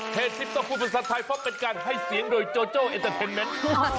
เพชรซิปต่อคุณภาษาไทยเพราะเป็นการให้เสียงโดยโจโจเอ็นเตอร์เทนเมนต์